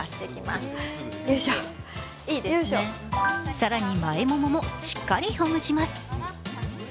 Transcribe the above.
更に前もももしっかり伸ばします。